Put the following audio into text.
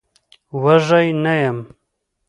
وږی نه يم.